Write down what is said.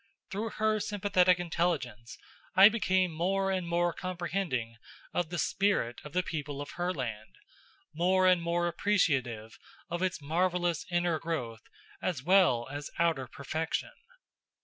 Through her sympathetic intelligence I became more and more comprehending of the spirit of the people of Herland, more and more appreciative of its marvelous inner growth as well as outer perfection.